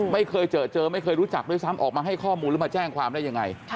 ไม่เคยเจอเจอไม่เคยรู้จักด้วยซ้ำออกมาให้ข้อมูลหรือมาแจ้งความได้ยังไง